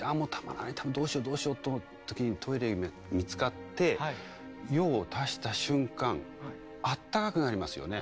どうしようどうしようと思った時にトイレが見つかって用を足した瞬間あったかくなりますよね